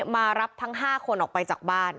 มารับทั้ง๕คนออกไปจากบ้าน